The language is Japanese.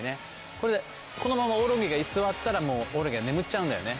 これでこのままオーロンゲが居座ったらもうオーロンゲがねむっちゃうんだよね。